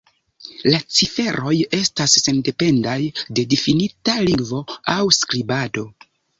La ciferoj estas sendependaj de difinita lingvo aŭ skribado.